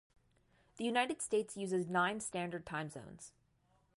The United States uses nine standard time zones.